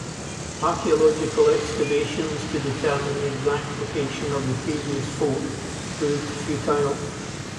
Archaeological excavations to determine the exact location of the previous fort proved futile.